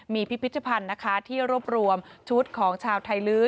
มีพิพิธภัณฑ์นะคะที่รวบรวมชุดของชาวไทยลื้อ